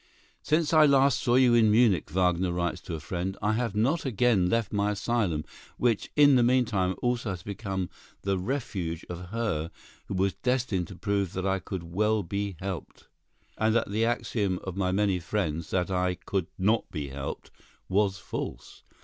"Since I last saw you in Munich," Wagner writes to a friend, "I have not again left my asylum, which in the meanwhile also has become the refuge of her who was destined to prove that I could well be helped, and that the axiom of my many friends, that 'I could not be helped,' was false!